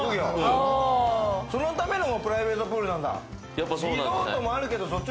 そのためのプライベートプールなんだ。